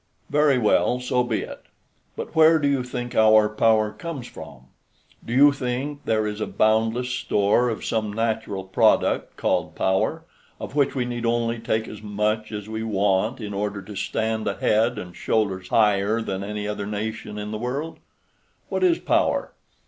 Very well, so be it. But where do you think our power comes from? Do you think there is a boundless store of some natural product called power, of which we need only take as much as we want in order to stand a head and shoulders higher than any other nation in the world? What is power?